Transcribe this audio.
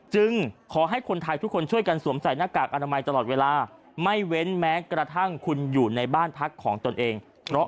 ขอให้คนไทยทุกคนช่วยกันสวมใส่หน้ากากอนามัยตลอดเวลาไม่เว้นแม้กระทั่งคุณอยู่ในบ้านพักของตนเอง